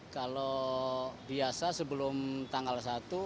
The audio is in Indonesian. kalau biasa sebelum tanggal satu